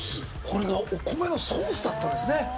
これがお米のソースだったんですね